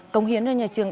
cống hiến cho nhà trường